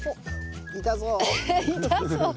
痛そう。